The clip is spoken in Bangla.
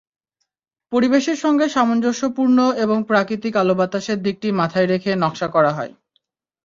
পরিবেশের সঙ্গে সামঞ্জস্যপূর্ণ এবং প্রাকৃতিক আলো-বাতাসের দিকটি মাথায় রেখে নকশা করা হয়।